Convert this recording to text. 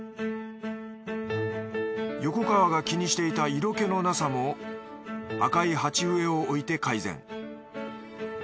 横川が気にしていた色気のなさも赤い鉢植えを置いて改善。